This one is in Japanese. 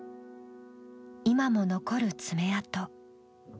今も残る爪痕。